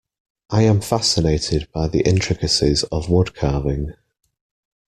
I am fascinated by the intricacies of woodcarving.